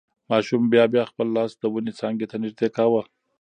ماشوم بیا بیا خپل لاس د ونې څانګې ته نږدې کاوه.